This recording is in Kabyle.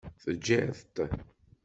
Tgiḍ-t.